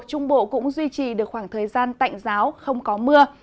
trung bộ cũng duy trì được khoảng thời gian tạnh giáo không có mưa